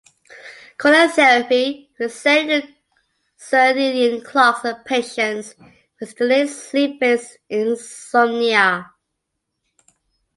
Chronotherapy: Resetting the circadian clocks of patients with delayed sleep phase insomnia.